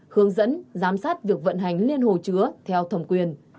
hướng dẫn giám sát việc vận hành liên hồ chứa theo thẩm quyền